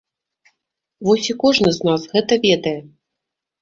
Вось і кожны з нас гэта ведае.